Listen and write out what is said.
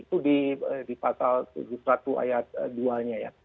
itu di pasal tujuh puluh satu ayat dua nya ya